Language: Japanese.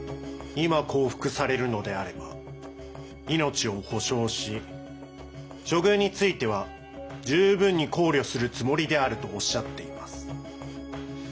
今降伏されるのであれば命を保証し処遇については十分に考慮するつもりであるとおっしゃっています。